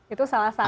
itu salah satu